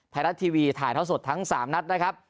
ไทยรัฐทีวีถ่ายท่อสดทั้ง๓นัดนะครับ